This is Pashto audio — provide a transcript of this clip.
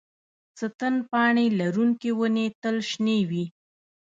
ستن پاڼې لرونکې ونې تل شنې وي